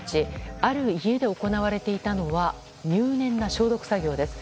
ある家で行われていたのは入念な消毒作業です。